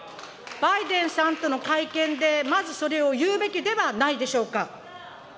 バイデンさんとの会見で、まずそれを言うべきではないでしょうか。